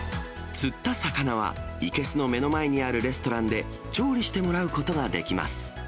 釣った魚は、生けすの目の前にあるレストランで調理してもらうことができます。